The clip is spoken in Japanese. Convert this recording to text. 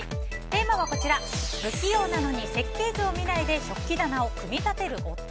テーマは不器用なのに設計図を見ないで食器棚を組み立てる夫。